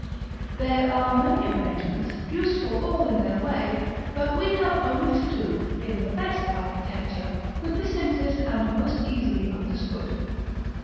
There are many arrangements, useful all in their way, but we have only to do, in the best architecture, with the simplest and most easily understood.